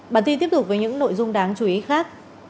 bản tin tiếp tục với những nội dung đáng chú ý khác